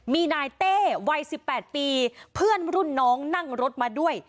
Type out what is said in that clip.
มีนายเต้วัย๑๘ปีเพื่อนรุ่นน้องนั่งรถมาด้วย